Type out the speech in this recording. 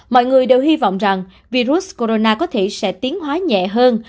mọi người đều hy vọng rằng virus corona có thể sẽ tiến hóa nhẹ hơn